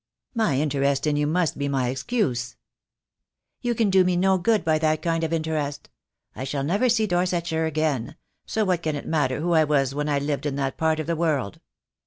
"My interest in you must be my excuse." "You can do me no good by that kind of interest. I shall never see Dorsetshire again — so what can it matter who I was when I lived in that part of the world.